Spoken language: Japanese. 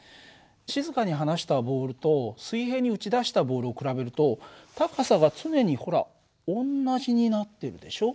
静かに離したボールと水平に打ち出したボールを比べると高さが常にほら同じになってるでしょ。